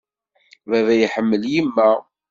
Baba iḥemmel yemma.